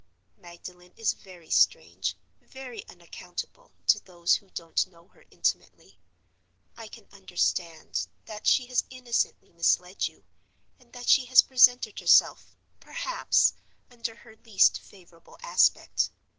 Magdalen is very strange, very unaccountable, to those who don't know her intimately. I can understand that she has innocently misled you; and that she has presented herself, perhaps, under her least favorable aspect.